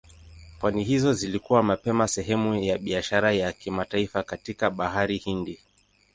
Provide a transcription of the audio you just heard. Pwani hizo zilikuwa mapema sehemu ya biashara ya kimataifa katika Bahari Hindi.